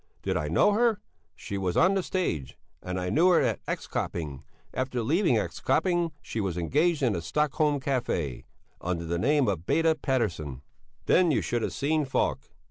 "Did I know her? She was on the stage, and I knew her at X köping; after leaving X köping, she was engaged in a Stockholm café, under the name of Beda Petterson." Then you should have seen Falk!